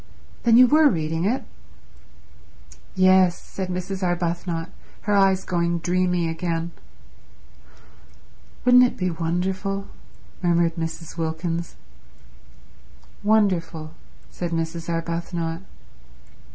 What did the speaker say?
"Then you were reading it?" "Yes," said Mrs. Arbuthnot, her eyes going dreamy again. "Wouldn't it be wonderful?" murmured Mrs. Wilkins. "Wonderful," said Mrs. Arbuthnot.